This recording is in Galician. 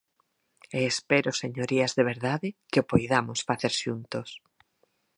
E espero, señorías, de verdade, que o poidamos facer xuntos.